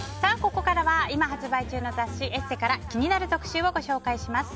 ここからは今発売中の雑誌「ＥＳＳＥ」から気になる特集をご紹介します。